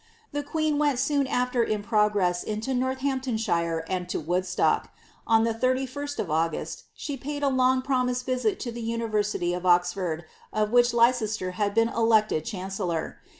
The queen went soon after in progress into Northamp tonshire and to Woodstock. On the 3l8t of August she paid a long promised visit to the University of Oxford, of which Leicester had been fleeted chancellor.